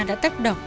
đã tác động